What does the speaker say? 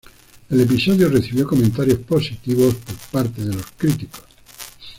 El episodio recibió comentarios positivos por parte de los críticos.